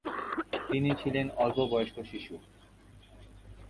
তিনি ছিলেন অল্প বয়স্ক শিশু।